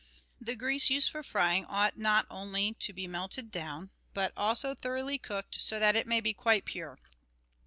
The grease used for frying ought not only to be melted down, but also thoroughly cooked, so that it may be quite pure.